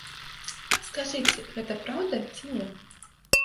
Скажыце, гэта праўда ці не?